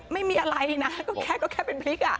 ไม่มีอะไรนะก็แค่ก็แค่เป็นพริก